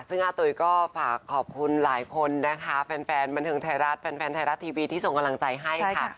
ซึ่งอาตุ๋ยก็ฝากขอบคุณหลายคนนะคะแฟนบันเทิงไทยรัฐแฟนไทยรัฐทีวีที่ส่งกำลังใจให้ค่ะ